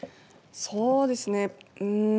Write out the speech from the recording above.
そうですね。